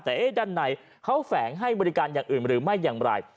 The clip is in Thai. แต่ด้านในเขาแฝงให้บริการอย่างอื่นหรือไม่อย่างไร